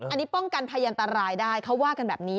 อันนี้ป้องกันพยันตรายได้เขาว่ากันแบบนี้